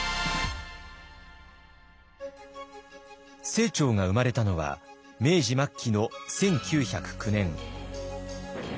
清張が生まれたのは明治末期の１９０９年。